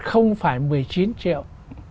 không phải một mươi chín triệu